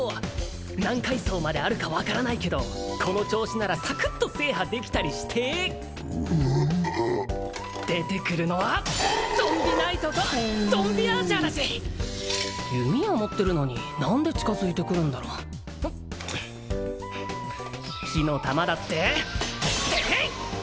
何階層まであるか分からないけどこの調子ならサクッと制覇できたりして出てくるのはゾンビナイトとゾンビアーチャーだし弓矢持ってるのに何で近づいてくるんだろ火の玉だってていっ！